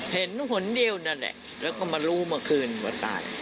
หนเดียวนั่นแหละแล้วก็มารู้เมื่อคืนว่าตาย